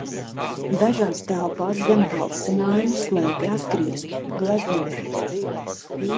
Dažās telpās zem balsinājuma slēpjas griestu gleznojumi.